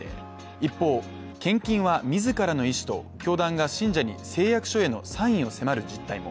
一方献金は自らの意思と教団が信者に誓約書へのサインを迫る実態も